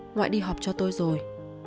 ngoại đi học cho tôi rồi